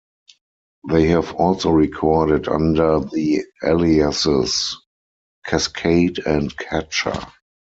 They have also recorded under the aliases Cascade and Catcher.